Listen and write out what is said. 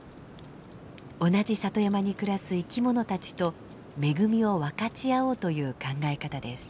同じ里山に暮らす生き物たちと恵みを分かち合おうという考え方です。